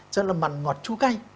rất là mặn ngọt chua cay